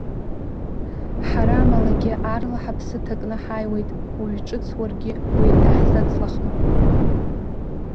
Ҳара амалагьы аарла ҳаԥсы ҭакны ҳааиуеит, уажә ҿыц уаргьы уеиҭаҳзацлахма?